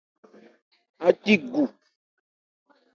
Ácí gu.